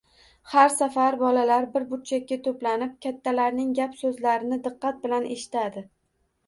Har safar bolalar bir burchakka toʻplanib, kattalarning gap-soʻzlarini diqqat bilan eshitadi.